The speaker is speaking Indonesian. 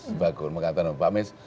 sebagun mengatakan pak mis